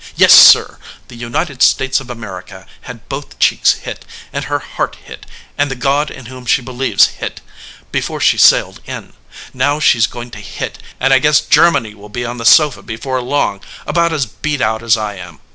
Yes, sir, the United States of America had both cheeks hit, and her heart hit, and the God in whom she believes hit, before she sailed in. Now she s going to hit, and I guess Germany will be on the sofa before long about as beat out as I am.